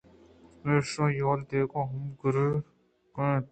پمیشا آئی ءِ حال دِیئگءَہم دگرے کیت